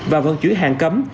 và vận chuyển hàng cấm